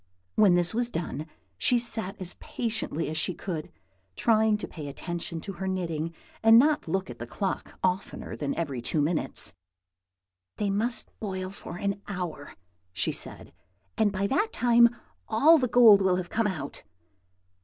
When this was done, she sat as patiently as she could, trying to pay attention to her knitting, and not to look at the clock oftener than every two minutes. "They must boil for an hour," she said; "and by that time all the gold will have come out."